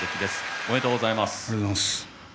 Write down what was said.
ありがとうございます。